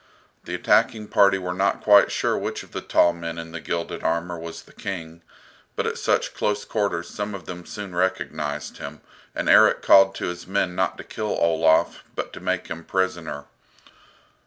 The attacking party were not quite sure which of the tall men in gilded armour was the King, but at such close quarters some of them soon recognized him, and Erik called to his men not to kill Olaf, but to make him prisoner.